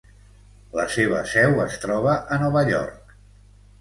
La seva seu es troba a Nova York.